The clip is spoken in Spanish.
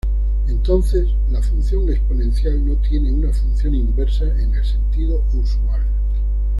Entonces, la función exponencial no tiene una función inversa en el sentido usual.